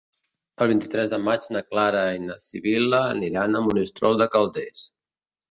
El vint-i-tres de maig na Clara i na Sibil·la aniran a Monistrol de Calders.